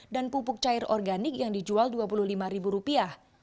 dan pupuk cair organik yang dijual dua puluh lima ribu rupiah